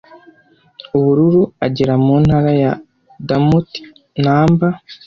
Ubururu agera mu ntara ya Damotinumber